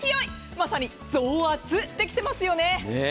まさに増圧できていますよね。